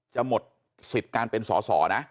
จะหมดสิทธิ์การเป็นสอสอนะ